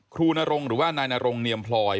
ครูนรงค์หรือนายนรงค์นียมพลอย